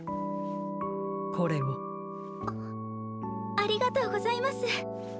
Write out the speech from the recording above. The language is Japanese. ありがとうございます。